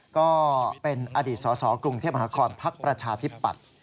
ก็เป็นอดีตสสกรุงเทพมหานครพักประชาธิปัตย์